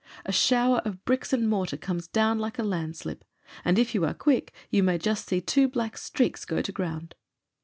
A shower of bricks and mortar comes down like a landslip, and if you are quick you may just see two black streaks go to ground.